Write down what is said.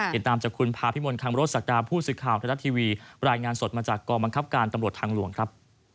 ติดตามจากคุณภาพิมลคังรถศักดาผู้สื่อข่าวไทยรัฐทีวีรายงานสดมาจากกองบังคับการตำรวจทางหลวงครับ